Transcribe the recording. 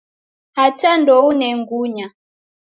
Hata ndoune ngunya.